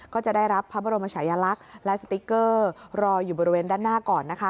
ก็จะได้รับพระบรมชายลักษณ์และสติ๊กเกอร์รออยู่บริเวณด้านหน้าก่อนนะคะ